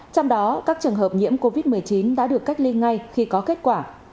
trong đó các trường hợp nhiễm covid một mươi chín đã được cách ly ngay khi có kết quả